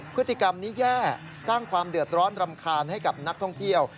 พฤติกรรมนี้แย่สร้างความเดือดร้อนรำคาญให้กับนักท่องเที่ยว